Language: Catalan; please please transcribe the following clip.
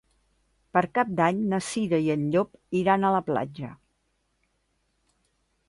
Per Cap d'Any na Cira i en Llop iran a la platja.